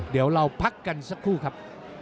เดี๋ยวเราพักกันสักครู่ครับ